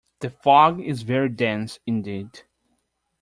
The fog is very dense indeed!